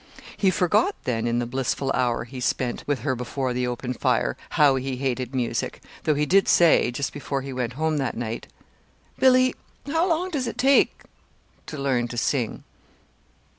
He forgot, then, in the blissful hour he spent with her before the open fire, how he hated music; though he did say, just before he went home that night: "Billy, how long does it take to learn to sing?"